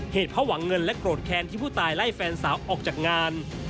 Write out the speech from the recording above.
เพราะหวังเงินและโกรธแค้นที่ผู้ตายไล่แฟนสาวออกจากงาน